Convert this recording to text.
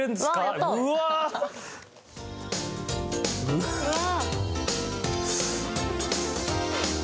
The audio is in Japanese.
うわっ！